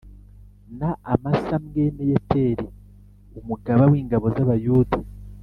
na Amasa mwene Yeteri umugaba w’ingabo z’Abayuda.